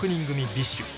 ＢｉＳＨ